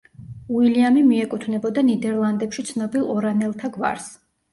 უილიამი მიეკუთვნებოდა ნიდერლანდებში ცნობილ ორანელთა გვარს.